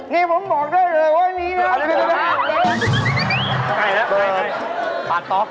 นี่ผมบอกได้เลยว่าอันนี้น่ะปาต๊อบ